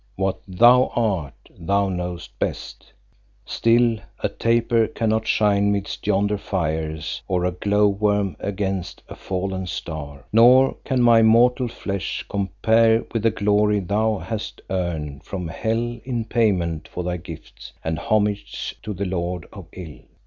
What thou art, thou knowest best. Still a taper cannot shine midst yonder fires or a glow worm against a fallen star; nor can my mortal flesh compare with the glory thou hast earned from hell in payment for thy gifts and homage to the lord of ill.